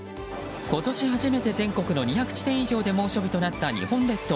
今年初めて全国の２００地点以上で猛暑日となった日本列島。